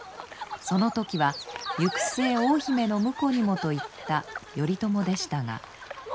その時は行く末大姫の婿にもと言った頼朝でしたが。